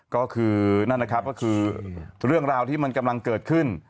ก็คือนั่นนะครับก็คือเรื่องราวที่มันกำลังเกิดขึ้น